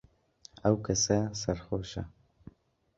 ئەو کەسە سەرخۆشە.